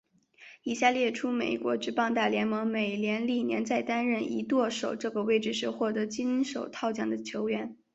以下列出美国职棒大联盟美联历年在担任一垒手这个位置时获得金手套奖的球员。